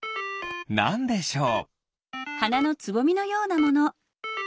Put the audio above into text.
なんでしょう？